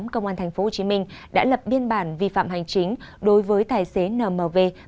công an thành phố hồ chí minh đã lập biên bản vi phạm hành chính đối với tài xế nmv